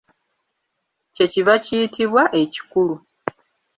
Kye kiva kiyitibwa ekikulu.